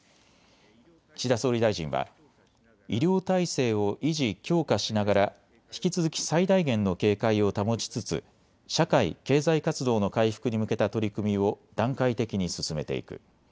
岸田総理大臣は医療体制を維持・強化しながら引き続き最大限の警戒を保ちつつ社会経済活動の回復に向けた取り組みを段階的に進めていく。